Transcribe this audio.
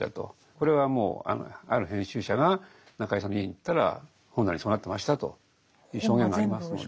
これはもうある編集者が中井さんの家に行ったら本棚そうなってましたという証言がありますので。